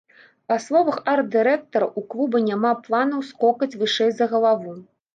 Па словах арт-дырэктара, у клуба няма планаў скокаць вышэй за галаву.